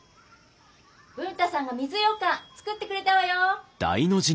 文太さんが水ようかん作ってくれたわよ！